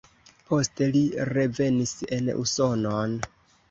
Poste li revenis en Usonon.